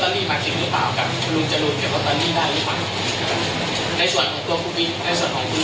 กับครูจรูนกับลอตเตอรี่ได้หรือเปล่า